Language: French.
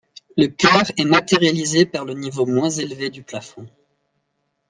Le chœur est matérialisé par le niveau moins élevé du plafond.